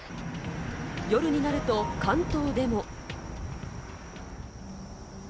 夜になると関東でも。